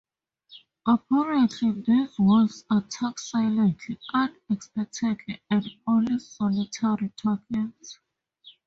Apparently, these wolves attack silently, unexpectedly and only solitary targets.